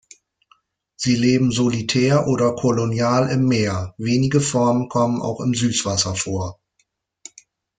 Sie leben solitär oder kolonial im Meer, wenige Formen kommen auch im Süßwasser vor.